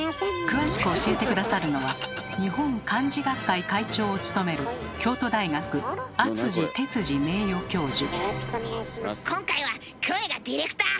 詳しく教えて下さるのは日本漢字学会会長を務める今回はキョエがディレクター！